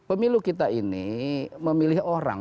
pemilu kita ini memilih orang